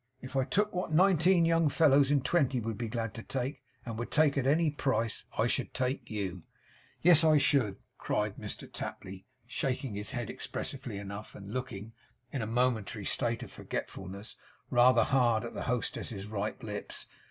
If I took what nineteen young fellows in twenty would be glad to take, and would take at any price, I should take you. Yes, I should,' cried Mr Tapley, shaking his head expressively enough, and looking (in a momentary state of forgetfulness) rather hard at the hostess's ripe lips.